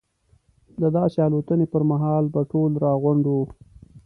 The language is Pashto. د داسې الوتنې پر مهال به ټول راغونډ وو.